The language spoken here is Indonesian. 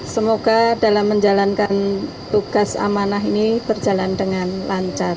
semoga dalam menjalankan tugas amanah ini berjalan dengan lancar